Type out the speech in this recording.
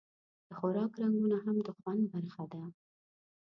د خوراک رنګونه هم د خوند برخه ده.